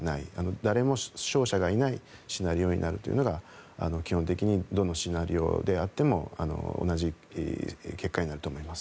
誰も勝者がいないシナリオになるというのが基本的にどのシナリオであっても同じ結果になると思います。